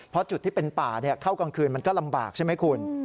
เพราะจุดที่เป็นป่าเข้ากลางคืนมันก็ลำบากใช่ไหมคุณ